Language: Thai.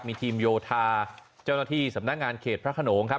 มีทีมโยธาเจ้าหน้าที่สำนักงานเขตพระขนงครับ